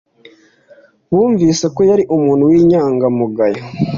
Bumvise ko yari umuntu w'inyangamugayo.